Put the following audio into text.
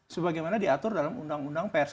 sebagaimana diatur dalam undang undang pers